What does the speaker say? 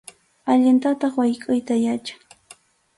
Allintataq waykʼuyta yachan.